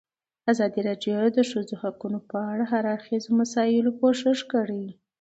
ازادي راډیو د د ښځو حقونه په اړه د هر اړخیزو مسایلو پوښښ کړی.